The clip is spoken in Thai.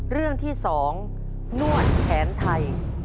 เรื่องที่๒นวดแผนไทย